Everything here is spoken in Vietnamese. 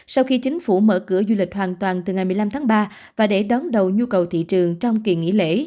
sau khi chính phủ mở cửa du lịch hoàn toàn từ ngày một mươi năm tháng ba và để đón đầu nhu cầu thị trường trong kỳ nghỉ lễ